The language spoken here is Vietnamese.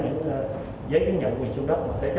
quyền sử dụng đất